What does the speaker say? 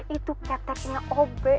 itu keteknya ob